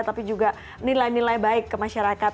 tapi juga nilai nilai baik ke masyarakat